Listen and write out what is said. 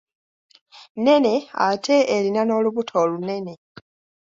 Nnene ate erina n'olubuto olunene.